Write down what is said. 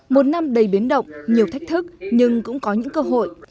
một năm đầy biến động nhiều thách thức nhưng cũng có những cơ hội